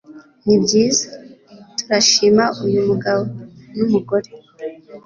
nibyiza! turashima uyu mugabo; n'umugore